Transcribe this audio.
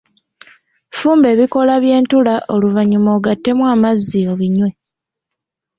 Fumba ebikoola by'entula oluvannyuma ogattemu amazzi obinywe.